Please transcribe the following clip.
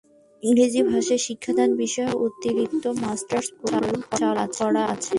ইংরেজি ভাষা শিক্ষাদান বিষয়ে অতিরিক্ত মাস্টার্স প্রোগ্রাম চালু করা আছে।